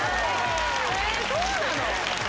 えそうなの？